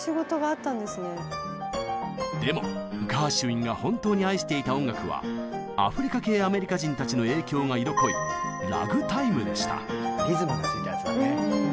でもガーシュウィンが本当に愛していた音楽はアフリカ系アメリカ人たちの影響が色濃いリズムがついたやつだね。